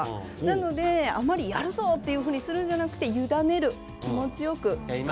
あまりやるぞというふうにするのではなくてゆだねる、気持ちよく。